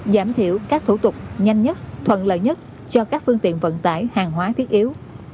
giảm thiểu các thủ tục nhanh nhất thuận lợi nhất cho các phương tiện vận tải hàng hóa thiết yếu